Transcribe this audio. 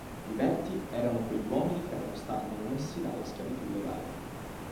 Liberti erano quegli uomini che erano stati manomessi dalla schiavitù legale.